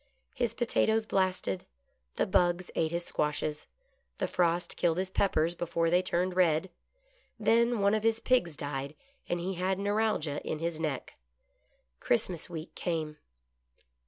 His potatoes blasted, the bugs ate his squashes, the frost killed his peppers before they turned red. Then one of his pigs died, and he had neuralgia in his neck. Christmas week came.